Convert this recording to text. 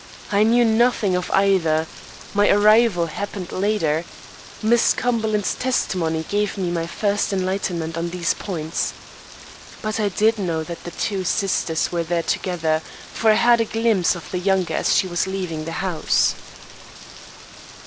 "I knew nothing of either. My arrival happened later. Miss Cumberland's testimony gave me my first enlightenment on these points. But I did know that the two sisters were there together, for I had a glimpse of the younger as she was leaving the house."